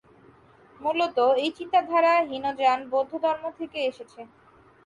মূলতঃ এই চিন্তাধারা হীনযান বৌদ্ধধর্ম থেকে এসেছে।